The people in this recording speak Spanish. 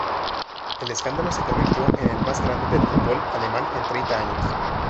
El escándalo se convirtió en el más grande del fútbol alemán en treinta años.